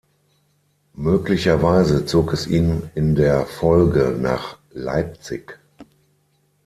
Möglicherweise zog es ihn in der Folge nach Leipzig.